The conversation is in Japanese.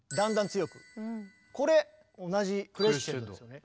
これ同じクレッシェンドですよね。